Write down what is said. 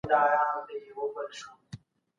ټاکل سوي دندي مه ځنډوه.